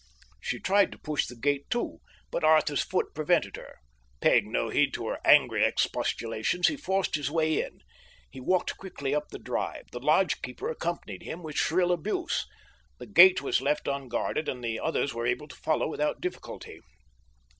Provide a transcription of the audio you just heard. She tried to push the gate to, but Arthur's foot prevented her. Paying no heed to her angry expostulations, he forced his way in. He walked quickly up the drive. The lodge keeper accompanied him, with shrill abuse. The gate was left unguarded, and the others were able to follow without difficulty.